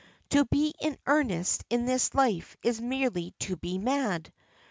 To be in earnest in this life is merely to be mad.